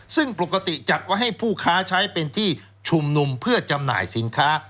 ซึ่งปกติจัดไว้ให้ผู้ค้าใช้เป็นที่ชุมนุมเพื่อจำหน่ายสินค้า